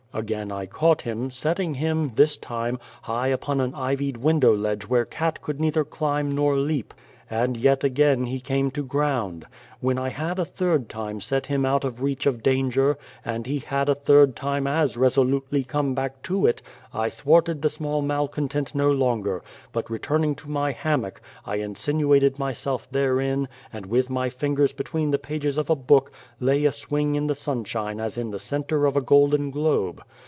Again I caught him, 107 The Face setting him, this time, high on an ivied window ledge where cat could neither climb nor leap ; and yet again he came to ground. When I had a third time set him out of reach of danger, and he had a third time as resolutely come back to it, I thwarted the small malcontent no longer, but returning to my hammock, I insinuated myself therein and with my fingers between the pages of a book, lay a swing in the sunshine as in the centre of a golden globe.